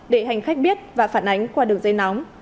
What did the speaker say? để hành khách biết và phản ánh qua đường dây nóng